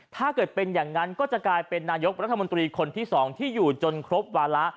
ถ้าเกิดเป็นอย่างนั้นก็จะกลายเป็นนายกรัฐมนตรีคนที่๒ที่อยู่จนครบวาระ